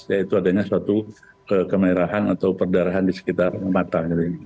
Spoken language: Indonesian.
yaitu adanya suatu kemerahan atau perdarahan di sekitar mata